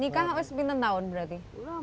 nikah selama sepuluh tahun berarti